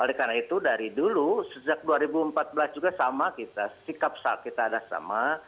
oleh karena itu dari dulu sejak dua ribu empat belas juga sama kita sikap kita ada sama